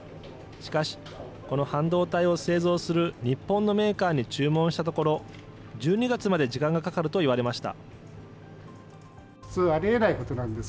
しかし、この半導体を製造する日本のメーカーに注文したところ、１２月まで時間がかかるといわれました。